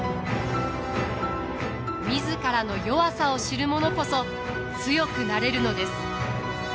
自らの弱さを知る者こそ強くなれるのです。